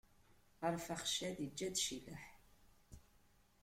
Arfaxcad iǧǧa-d Cilaḥ.